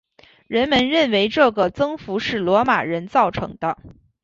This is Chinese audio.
人们认为这个增幅是罗马人造成的。